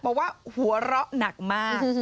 บอกว่าหัวเราะหนักมาก